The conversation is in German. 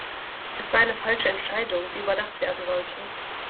Es war eine falsche Entscheidung, die überdacht werden sollte.